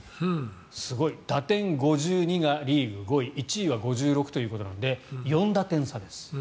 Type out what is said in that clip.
すごい打点５２がリーグ５位１位は５６ということなので４打点差です。